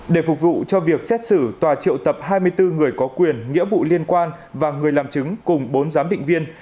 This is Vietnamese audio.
để phục vụ cho việc xét xử tòa triệu tập hai mươi bốn người có quyền nghĩa vụ liên quan và người làm chứng cùng bốn giám định viên